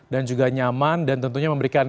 dan juga nyaman dan tentunya memberikan